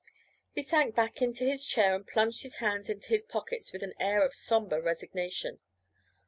He sank back into his chair and plunged his hands into his pockets with an air of sombre resignation.